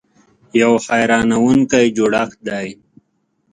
یو حیرانونکی جوړښت دی .